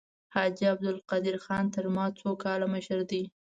حاجي عبدالقدیر خان تر ما څو کاله مشر دی.